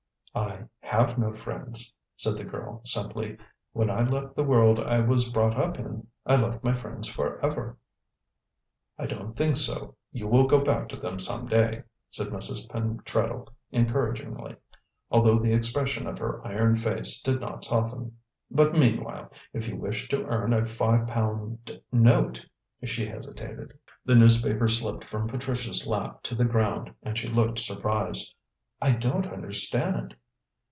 "I have no friends," said the girl simply; "when I left the world I was brought up in, I left my friends for ever." "I don't think so; you will go back to them some day," said Mrs. Pentreddle encouragingly, although the expression of her iron face did not soften; "but, meanwhile, if you wish to earn a five pound note " she hesitated. The newspaper slipped from Patricia's lap to the ground and she looked surprised. "I don't understand!"